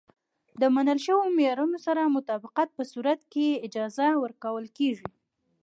د منل شویو معیارونو سره مطابقت په صورت کې یې اجازه ورکول کېږي.